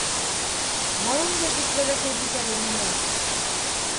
Балам да бик бәләкәй бит әле минең...